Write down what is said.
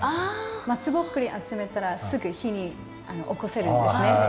松ぼっくり集めたらすぐ火に起こせるんですね。